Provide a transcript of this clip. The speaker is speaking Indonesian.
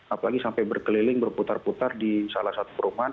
apalagi sampai berkeliling berputar putar di salah satu perumahan